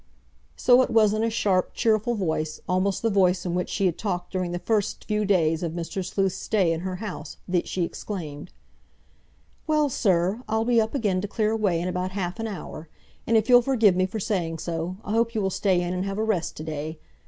So it was in a sharp, cheerful voice, almost the voice in which she had talked during the first few days of Mr. Sleuth's stay in her house, that she exclaimed, "Well, sir, I'll be up again to clear away in about half an hour. And if you'll forgive me for saying so, I hope you will stay in and have a rest to day.